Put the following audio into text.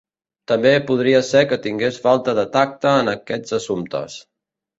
També podria ser que tingués falta de tacte en aquests assumptes.